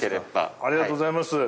ありがとうございます。